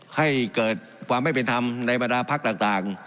ให้เกิดความไม่เป็นธรรมในบรรดาพักต่าง